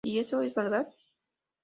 Y esto es verdad".